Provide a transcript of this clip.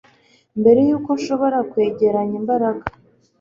mbere yuko nshobora kwegeranya imbaraga